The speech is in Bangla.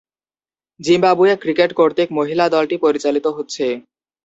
জিম্বাবুয়ে ক্রিকেট কর্তৃক মহিলা দলটি পরিচালিত হচ্ছে।